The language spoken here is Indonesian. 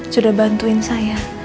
sudah bantuin saya